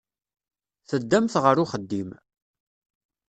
Teddamt ɣer uxeddim.